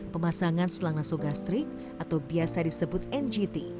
pemasangan selang nasogastrik atau biasa disebut ngt